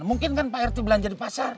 mungkin kan pak rt belanja di pasar